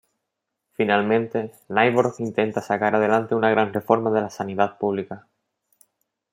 Finalmente, Nyborg intenta sacar adelante una gran reforma de la sanidad pública.